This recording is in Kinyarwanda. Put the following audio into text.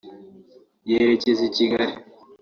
yerekeza i Kigali